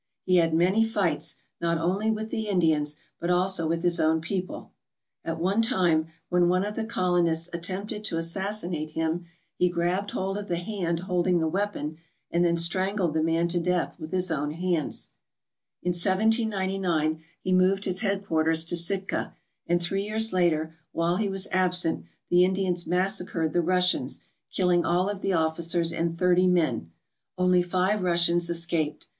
He had many fights not only with the Indians but also with his own people. At one time, when one of the colonists at 37 ALASKA OUR NORTHERN WONDERLAND tempted to assassinate him, he grabbed hold of the hand holding the weapon and then strangled the man to death with his own hands. In 1799 he moved his headquarters to Sitka, and three years later, while he was absent, the Indians massacred the Russians, killing all of the officers and thirty men. Only five Russians escaped.